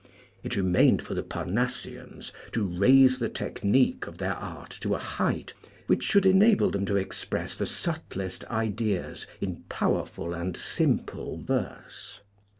It remained for the Parnassians to raise the technique of their art to a height which should enable them to express the subtlest ideas in powerful and simple verse.